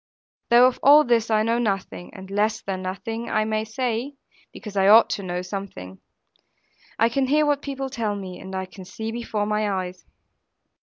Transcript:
Though of all this I know nothing, and less than nothing I may say (because I ought to know something); I can hear what people tell me; and I can see before my eyes.